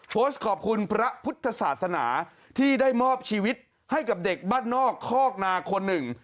โพสต์ขอบคุณพระพุทธศาสนาที่ได้มอบชีวิตให้กับเด็กบ้านนอกคอกนาคนหนึ่ง